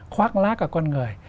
khoác lác của con người